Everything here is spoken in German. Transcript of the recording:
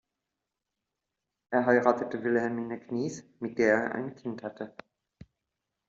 Er heiratete Wilhelmine Knies, mit der er ein Kind hatte.